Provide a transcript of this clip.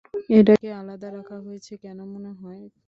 এটাকে আলাদা রাখা হয়েছে কেন মনে হয়?